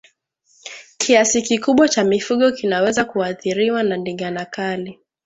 Kiasi kikubwa cha mifugo kinaweza kuathiriwa na ndigana kali